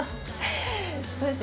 そうですね。